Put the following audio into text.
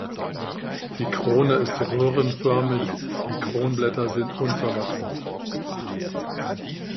Die Krone ist röhrenförmig, die Kronblätter sind unverwachsen.